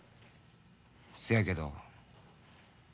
せやけど。